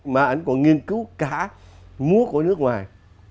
mà anh còn nghiên cứu cả múa của nước ngoài